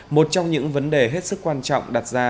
một trong những vấn đề hết sức quan trọng đặt ra